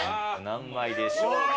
何枚でしょうか。